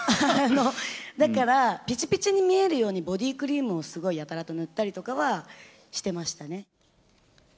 だから、ぴちぴちに見えるように、ボディークリームをすごいやたらと塗ったりとかはしてましたね。